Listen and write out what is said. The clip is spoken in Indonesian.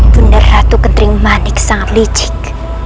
benar ratu ketering manik sangat licik